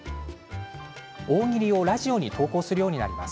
大喜利をラジオに投稿するようになります。